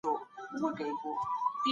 جزيه د زکات په څېر يو مکلفيت دی.